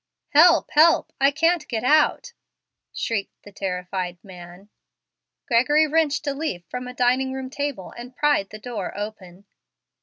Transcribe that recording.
"Help! help! I can't get out," shrieked the terrified man. Gregory wrenched a leaf from a dining room table and pried the door open.